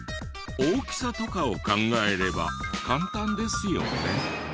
大きさとかを考えれば簡単ですよね？